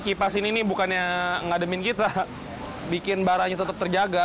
kipas ini bukannya ngademin kita bikin baranya tetap terjaga